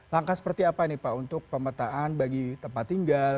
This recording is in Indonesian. langkah seperti apa nih pak untuk pemetaan bagi tempat tinggal